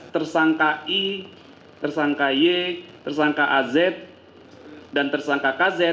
tersangka i tersangka y tersangka az dan tersangka kz